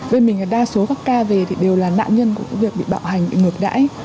bên mình là đa số các ca về thì đều là nạn nhân của cái việc bị bạo hành bị ngược đãi